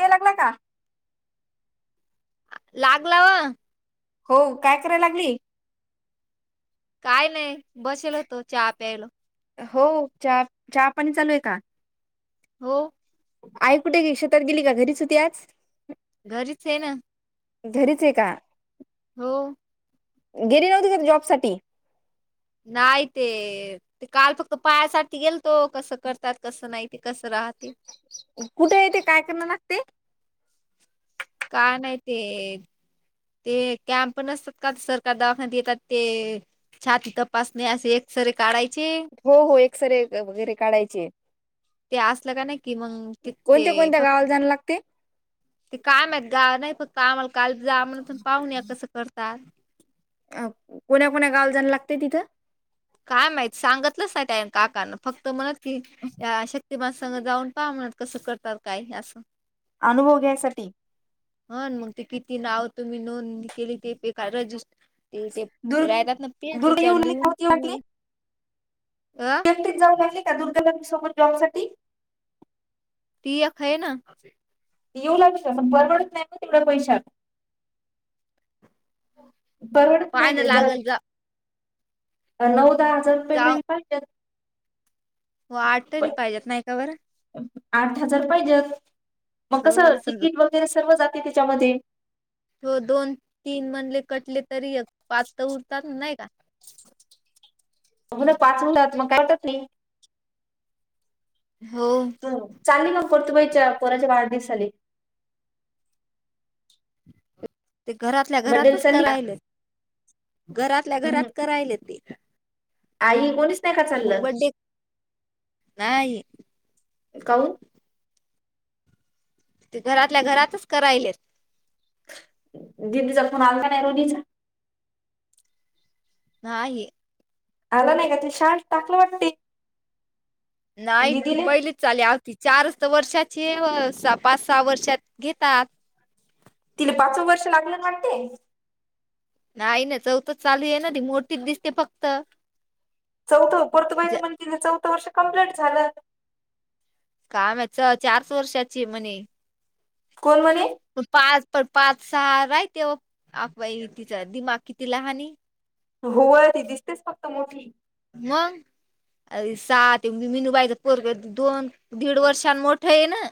या लागला का? लागला व. हो, काय कराय लागली? काय नाही. बसेल होतो, चहा प्यायलो. हो चहा चहा पाणी चालू आहे का? हो. आई कुठ गेली? शेतात गेली का घरीच होती आज? घरीचये ना. घरीचये का? हो. गेली नव्हती का ती जॉब साठी? नाय ते ते काल फक्त पायासाठी गेलतो, कसं करतात? कसं नाही? ते कसं राहते? कुठये ते? काय करणं लागते? काय नाही ते ते कॅम्प नसतात का? सरकार दवाखाना येतात ते छाती तपासणे असे एक्सरे काढायचे. हो हो, एक्सरे वगैरे काढायचे. ते असलं का नाही कि मंग तीत ते कोणत्या कोणत्या फक् गावाला जाणं लागते ते काय माहित? गा नाही फक्त आम्हाला काल जा म्हण पण पाहून या कसं करतात. अ कोण्या कोण्या गावला जावं लागतय तिथं? काय माहित? सांगतलंच नाही त्यानी का करना फक्त म्हणत कि या शक्तिमासंग जाऊन पहा म्हणत. कसं करतात, काय? हे असं. अनुभव घ्यासाठी. ह न मग ते किती नाव तुम्ही नोंदनी केली ते बे रजी ते ते दुर् राहतात न ते दुर्ग तेच्यावर येऊ लागली का लिहून होती [inaudible] आं? तिथेच जाऊ लागले का? दुर्गा [unintelligible] सोबत जॉब साठी? ती एक हाय ना. ती येऊ लागली का? म्हण परवडत नाही प तवढं पैशात. परवडत नाही पाहायला ते, जरा लागल जा नऊ-दहा हजार पेमेंट पडत्याल. वाटला पाहिजेत नाही का बरं? आठ हजार पाहिजेत. मग हो कसं समज तिकीट वगैरे सर्व जाते त्याच्यामध्ये. हो दोन तीन मनले कटले तरी एक पाच त उरतात. नाही का? हो ना पाच उरतात. मग काय वाटत नाही. हो तू चालली मग परतुबाईच्या पोराचे वाढदिवसाले? ते घरातल्या बड्डेला घरातच चालली का? करायले. घरातल्या हम्म घरात करायले ते. आई कोणीच नही खात? मग बड्डे? नाही. काऊन? ते घरातल्या घरातच करायले. दिदीचा फोन आलता नाही दीदीचा नाही आला नाही का ते शान टाकलं वाटते नाही ती दिदीले पहिली चाली आमची चारच तर वर्षाची ये वो सहा पाच सहा वर्षात घेतात. तिला पाचवं वर्ष लागलं ना वाटते. नाही ना चौथंच चालू आहे ना ती मोठीच दिसते फक्त. चौथं [inaudible] ज- चौथं वर्ष कंप्लीट झालं काय माहीत चारच वर्षाची म्हणे कोण म्हणे पाच पण पाच सहा राहते आपबाई तिचा दिमाग किती ल हनी हो ती दिसतेच फक्त मोठी मग अ सात मिनू बाईच पोरग दोन दीड वर्षांनी मोठं आहे ना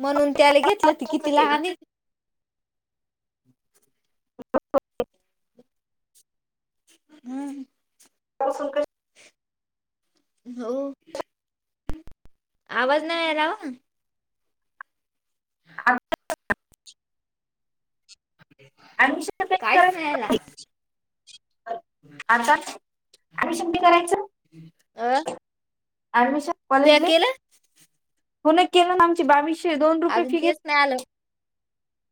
म्हणून त्याला घेतलं ते किती लहान ये ह [unintelligible] हम्म [unintelligible] हो आवाज नाय यायलावो अ [unintelligible] [unintelligible] अ ऍडमिशन काहीच नाही आला [unintelligible] आता ॲडमिशन ते करायचं अह ऍडमिशन कॉलेजले होन केलं आमची बाविशे - दोन रुपये अजून फी घे तेच नाही आलं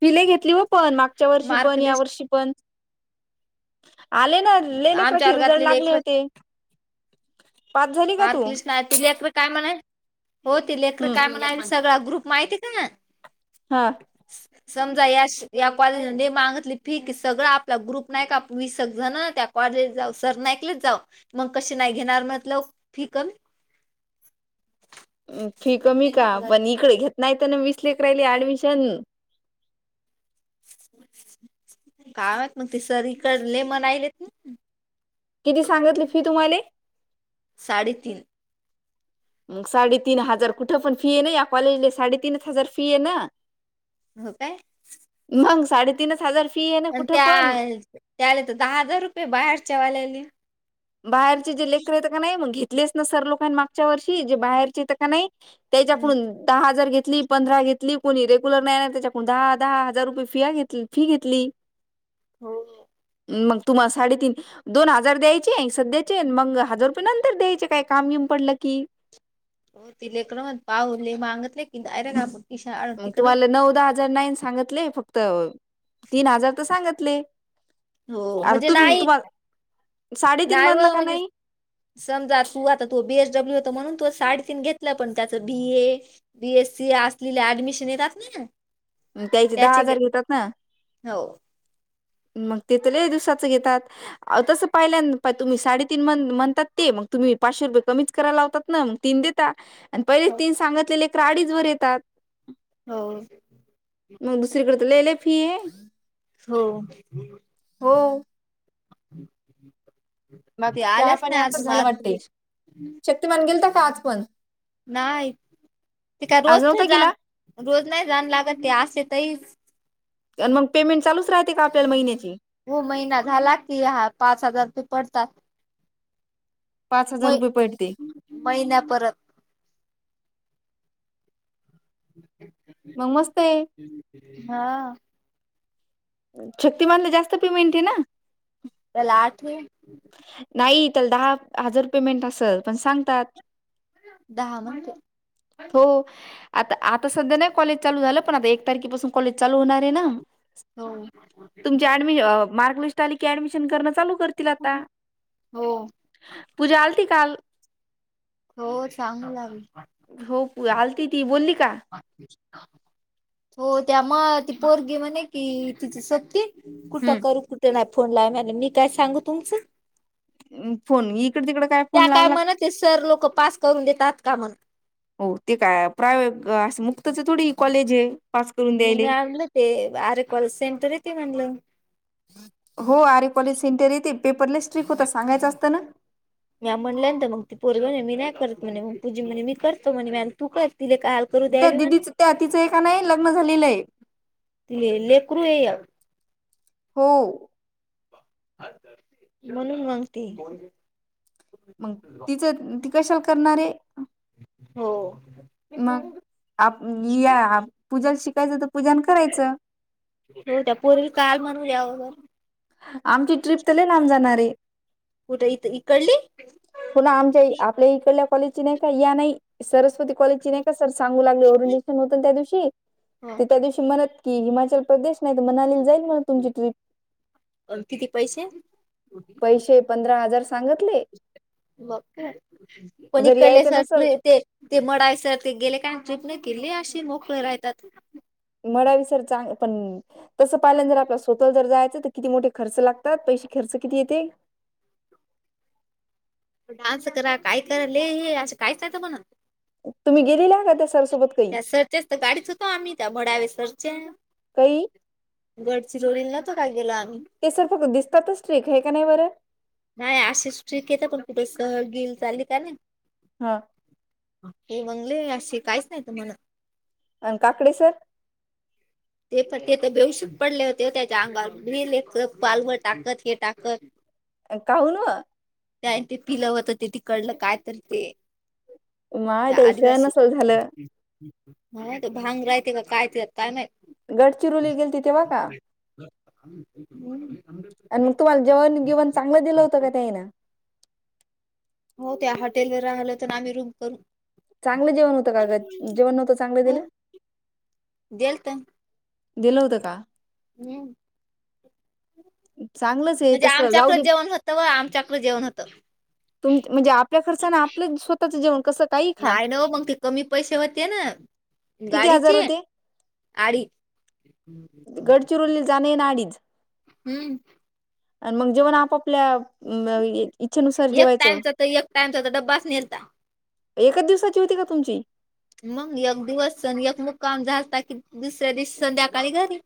फि लय घेतली हो पण मागच्या वर्षी मार्क पण या लिस्ट वर्षी पण आले ना लय आमच्या लेकराची रिझल्ट वर्गातले लागले लेकर होते. पास झाली का तू पार्क लिस्ट नाही ती लेकर काय म्हणा हो ती लेकर हम्म काय म्हणाय सगळा ग्रुप माहिती का हा [unintelligible] समजा या या कॉलेज मध्ये मागितली फी की सगळं आपला ग्रुप नाही का वीस जण त्यात कॉलेज जाऊ सर ना ऐकलेच जाऊ मग कशी नाही घेणार मतलव फि कम फी कमी का पण इकडे घेत नाही तर ना वीस लेकराली ऍडमिशन. काय महित मग ते सरी इकडले मनायलेत ना किती सांगितली फी तुम्हाले साडेतीन साडेतीन हजार कुठे पण फी ये ना या कॉलेजले साडेतीन हजार फी ये ना. हो काय मग साडेतीनच हजार फी आहे ना आणि कुठं पण त्या त्याला तर दहा हजार रुपये बाहेरच्या वाल्यानी बाहेरचे जे लेकर येत का नाही मग घेतलेच ना सर लोकांनी मागच्या वर्षी जे बाहेरचे येत का नाही. त्यांच्याकडून दहा हजार घेतली. पंधरा घेतली कोणी रेग्युलर नाही त्याच्याकडून दहा दहा हजार रुपये फीया घेतली फी घेतली. हो. मग तुम्हाला साडेतीन दोन हजार द्याय चे सध्याचे आहेत मग हजार रुपये नंतर द्यायचे काय काम येऊन पडलं की. हो ती लेकर मत पाहले मागतले की डायरेक्ट आपण पिशा आणून तिकडं तुम्हाला नऊदहा हजार नाही सांगतले, फक्त तीन हजार तर सांगतले. हो अर म्हणजे तुम नाही तुम्हाला साडेतीन नाही म्हणाला व का म्हणजे नाही. समजा तू आता तो बी एस डब्ल्यू होत म्हणून तो साडेतीन घेतलं पण त्याचं B A B S C असलेली ऍडमिशन येतात ना त्याचे दहा हजार घेतात ना हो मग ते तर लय दिवसाच घेतात. आहो तसं पाहिल्या तुम्ही साडेतीन म्हणं म्हणतात ते मग तुम्ही पाचशे रुपये कमीच करायला लावतात ना मग तीन दे ता आणि पहिले हो तीन सांगितले लेकरं अडीच वर येतात. हो. मग दुसरीकडे तरं लय लय फी आहे. हो. हो. मग ते आल्याच नाही आज मार शक्तीमान गेलता का आजपण? नाही ते काय रोज आज थय नव्हता गेला जाण रोज नाही जाण लागत ते असेेतहीच आणि मग पेमेंट चालूच राहते का आपल्याला महिन्याची? हो महिना झाला की हा पाच हजार रुपये पडतात. पाच हजार म रुपये पडते. महिन्या परत. मंग मस्तयं. हा. शक्तीमानने जास्त पेमेंट आहे ना. त्याला आठ आहे. नाई त्याला दहा हजार पेमेंट असलं पण सांगतात. दहा म्हणते. हो. आता आता सध्या नाही कॉलेज चालू झालं पण आता एक तारखेपासून कॉलेज चालू होणार आहे ना. हो. आणि मी मार्कलिस्ट आली की ऍडमिशन करनं चालू करतील आता. हो पूजा आलती काल. हो सांगलावी. हो आलती ती, बोल्ली का? हो त्या म ती पोरगी म्हणे कि तिची सक्की- कुठं करू कुठे नाय फोन लावणारे मी काय सांगू तुमचं. फोन इकडं तिकडं- त्या काय म्हणते, सर लोक पास करून देतात का म्हणं. हो ते काय प्रायवे मुक्तचं थोडी कॉलेज आहे. पास करून मी द्यायले नाही आणलं ते आरे कॉलेज सेंटर आहे ते म्हणलं. हो आरे कॉलेज सेंटरे आहे ते पेपर लय स्ट्रिक होता सांगायचं असतं ना. म्या म्हणल्यांत मग ती पोरीणे मी नाही करत म्हणे म पूजी म्हणे मी करतो म्हणे म तू कर ति का त्या दिदीचं त्या तिचयं की नाय लग्न झालेलंय. ते लेकरू ये हो. म्हणून म्हणतीये मंग तिचं ती कशाला करणारए? हो. मग हो आप मी या पूजाला शिकायचं तर पूजान करायचं. हो त्या पोरील काल म्हणू [unintelligible] आमची ट्रिप तर लय लांब जाणारे. कुठं इथं इकडली? पुला आमच्या आपल्या इकडल्या कॉलेजची नाही का या नाही. सरस्वती कॉलेजची नाही का सर सांगू लागले ओरंडिशन होत त्या दिवशी ते हो त्या दिवशी म्हणत कि हिमाचल प्रदेश नाही तर मनालीला जाईल म्हणे तुमची ट्रिप. अन किती पैसे? पैशे पंधरा हजार सांगतले. मंग काय पण जर इकडल्या यायचं सर नसल य ते ते मडायसर ते गेले का [unintelligible] नाही केली अशी मोकळे राहतात मडावीसर चांग पण तस पाहिल्या जर आपला स्वतः जर जायचं तर किती मोठे खर्च लागतात पैसे खर्च किती येते? डान्स करा काय करा ले हे असं [unintelligible] तुम्ही गेलेल्या का त्या सर सोबत क- सरचेस तर गाडी सुतो आम्ही त्या भडावे सरचे कई? गडचिरोली ला न्हवतो का गेलो आम्ही? ते सर फक्त दिसतातच स्ट्रिक हे का नाही बरं? नाही अशीच स्ट्रीक हे तर पण कुठे सहल गिल चाली का नाही? हा हे बंगले असे काहीच नाही तुम्हाणा अन काकडे सर? ते पण ते तर बेहोशच पडले होते त्याच्या अंगावर [inaudible] पालवर टाकत हे टाकत. [inaudible] काहून व. त्यान ते पिलं व्हतं ते तिकडलं काय तर ते उ माय ते ईशान नसंल झालं. होय भांग रायती काय त्याच्यात काय माहित. गडचिरोली गेलती तेव्हा का? [unintelligible] आणि मग तुम्हाला जेवण बीवण चांगलं दिलं होतं का त्या हिणं? हो त्या हॉटेलवर राहलं होतो ना आम्ही रूम करून. चांगलं जेवण होतं का ग? जेवण नव्हतं चांगलं दिलं? देलतं दिलं होतं का? हम्म चांगलंच आहे म्हणजे तसं जाऊ दे आमच्याकडं जेवण होतं व आमच्याकडं जेवण होतं. तुम म्हणजे आपल्या खर्चानं आपलं स्वतचं जेवण कसं काही खा नाही न व, मग ते कमी पैशे होते ना किती आजार गाडीचे. होते आडी. गडचिरोली जाण येणं अडीच. हम्म. आणि मग जेवण आपापल्या इच्छेनुसार एक जेवायचं टाइमचा तर एक टाइमचा डबाच नेलता. एकच दिवसाची होती का तुमची. मग एक दिवस स एक मुक्काम झालया कि दुसऱ्या दिवस संध्याकाळी घरी.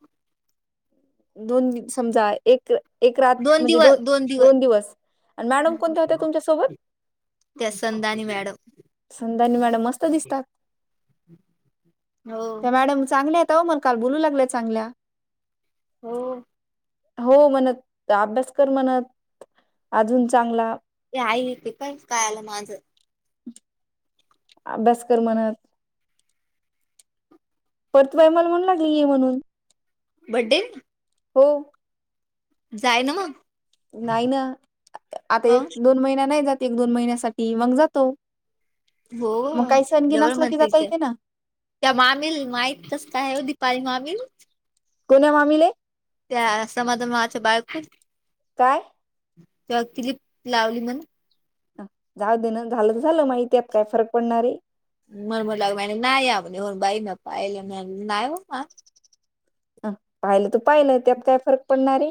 दोन समजा एक एक रात म्हणजे दोन दोन दिवस आणि मॅडम कोणत्या होत्या तुमच्यासोबत. त्या संदानी मॅडम. संधानी मॅडम मस्त दिसतात. हो त्या मॅडम चांगल्या आहेत. त मग काल बोलू लागल्या चांगला. हो. हो म्हणत अभ्यास कर म्हणत अजून चांगला. ते आईत [unintelligible] काय कायलं माझं. अभ्यास कर म्हणत. परतु बाई मला म्हणू लागलीय म्हणून. बड्डे ला. हो. जाय ना मग. नाही ना, आता एक दोन महिना नाही जात. एक दोन महिन्यासाठी मग जातो. हो मग काही सण गीन डबल असला की म्हणतील जाता त्या येते ना. त्या मामीला माहित कसं काय ओ दीपाली मामील. कोण्या मामीले. त्या समाधान मामाच्या बायखू. काय? तू अ किलिप लावली म्हण जाऊ दे ना झालं तर झालं माहितेत काय फरक पडणार आहे. मन मन लाग म नाही या म्हण हो बाई म पायल ना आ. हं पाहिलं तर पाहिलं त्यात काय फरक पडणारेय.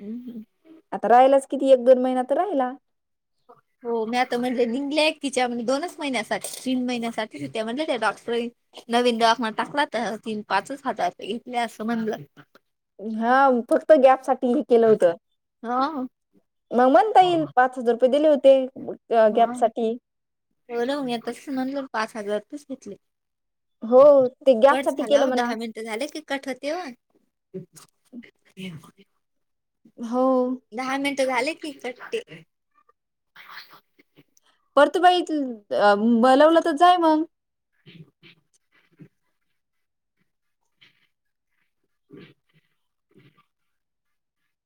हम् हम. आता राहिलाच किती एक दोन महिना तर राहिला. हो मी आता म्हण निघले तिच्या म्हणजे दोनच महिन्यासाठी तीन महिन्यासाठी त्या म्हटल्या त्या डॉक्टरीन नवीन दवाखान्यात टाकला तर तीन पाचच हजार तर घेतल्या असं म्हणलं. हा फक्त गॅपसाठी केलं होत ह मग म्हणता येईल पाच हजार रुपये दिले होते. गॅप साठी बोलो मी मग तस म्हणलं पाच हजार तरच घेतले. हो ते गॅपसाठी केलं म्हण. झालं की कट होते ओ हो दहा मिनटं झाले की कट्टे परतु बाई बलवलं तर जाय मग. [unintelligible] [unintelligible]